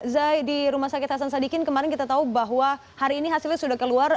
zai di rumah sakit hasan sadikin kemarin kita tahu bahwa hari ini hasilnya sudah keluar